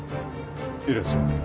いらっしゃいませ。